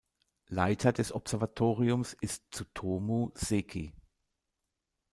Leiter des Observatoriums ist Tsutomu Seki.